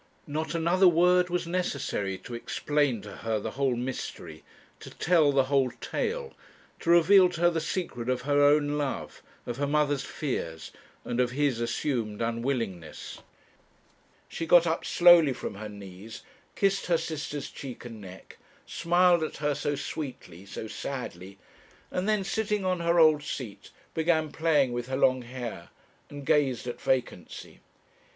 Not another word was necessary to explain to her the whole mystery, to tell the whole tale, to reveal to her the secret of her own love, of her mother's fears, and of his assumed unwillingness. She got up slowly from her knees, kissed her sister's cheek and neck, smiled at her so sweetly, so sadly, and then sitting on her old seat, began playing with her long hair, and gazing at vacancy.